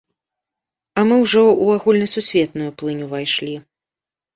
А мы ўжо ў агульнасусветную плынь увайшлі.